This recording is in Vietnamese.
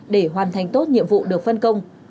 để hoàn thành tốt nhiệm vụ được phân công